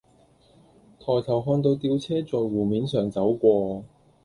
抬頭看到吊車在湖面上走過